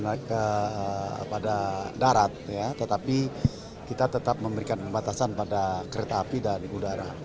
kita tidak memberikan pembatasan pada darat tetapi kita tetap memberikan pembatasan pada kereta api dan udara